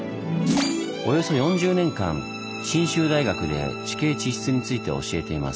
およそ４０年間信州大学で地形地質について教えています。